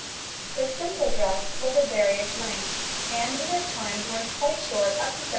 The simpler dress was of various lengths, and was at times worn quite short up to 1740.